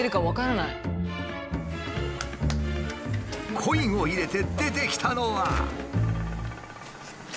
コインを入れて出てきたのは。